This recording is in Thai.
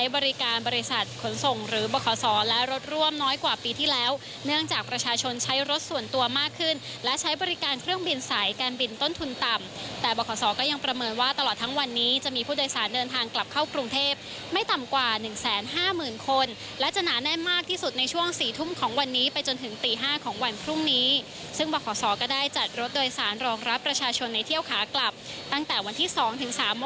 บริการบริษัทขนส่งหรือบขสรและรถร่วมน้อยกว่าปีที่แล้วเนื่องจากประชาชนใช้รถส่วนตัวมากขึ้นและใช้บริการเครื่องบินสายการบินต้นทุนต่ำแต่บขสรก็ยังประเมินว่าตลอดทั้งวันนี้จะมีผู้โดยสารเดินทางกลับเข้ากรุงเทพไม่ต่ำกว่า๑๕๐๐๐๐คนและจะหนาแน่นมากที่สุดในช่วง๔ทุ่มของวันนี้ไปจนถึ